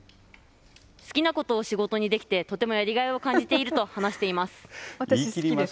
好きなことを仕事にできて、とてもやりがいを感じていると話しています。